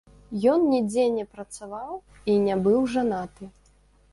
Ён нідзе не працаваў і не быў жанаты.